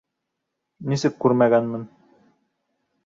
Нисек күрмәгәнмен?